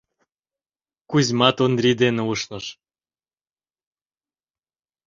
Кузьмат Ондрий дене ушныш.